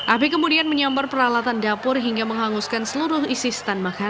api kemudian menyambar peralatan dapur hingga menghanguskan seluruh isi stand makanan